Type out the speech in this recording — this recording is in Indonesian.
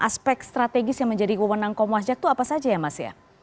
aspek strategis yang menjadi kewenang komwasjak itu apa saja ya mas ya